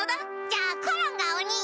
じゃあコロンがおに！